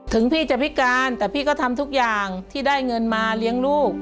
พี่จะพิการแต่พี่ก็ทำทุกอย่างที่ได้เงินมาเลี้ยงลูก